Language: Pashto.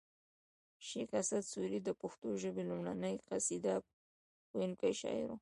شیخ اسعد سوري د پښتو ژبې لومړنۍ قصیده ویونکی شاعر و